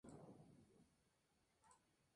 Pasó su infancia en Córdoba.